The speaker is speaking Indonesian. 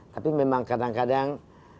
tapi memang kadang kadang